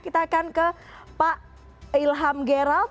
kita akan ke pak ilham geral